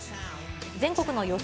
全国の予想